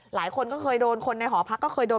หลายคนก็เคยโดนคนในหอพักก็เคยโดน